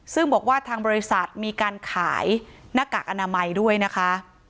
ซึ่งบอกว่าทางบริษัทมีการขายหน้ากากอนามัยด้วยนะคะ